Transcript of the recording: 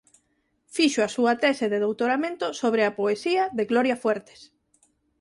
Fixo a súa tese de doutoramento sobre a poesía de Gloria Fuertes.